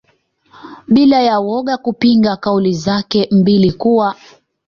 bila ya woga kupinga kauli zake mbili kuwa